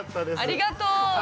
ありがとう。